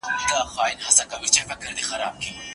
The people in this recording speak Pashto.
موږ د هغوی تعاملات له پامه نه غورځوو.